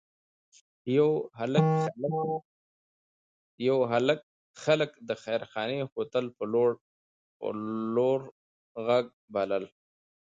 یو هلک خلک د خیرخانې هوټل ته په لوړ غږ بلل.